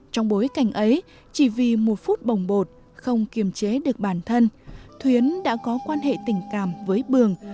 trong bối cảnh ấy chỉ vì một phút bồng bột không kiềm chế được bản thân thuyến đã có quan hệ tình cảm với bường